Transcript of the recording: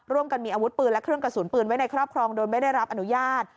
ร่วมกันมีอาวุธปืนและเครื่องกระสุนปืนไว้ในครอบครองโดยไม่ได้รับอนุญาต